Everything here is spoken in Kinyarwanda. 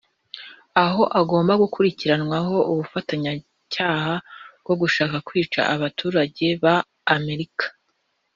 aho agomba gukurikiranwaho ubufatanyacyaha mu gushaka kwica abaturage ba Amerika